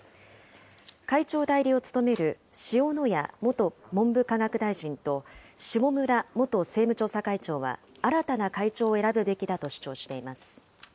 会長代理を務める塩谷元文部科学大臣と下村元政務調査会長は、新たな会長を選ぶべきだと主張しています。